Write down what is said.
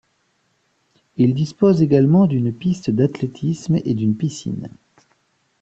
Il dispose également d'une piste d'athlétisme et d'une piscine.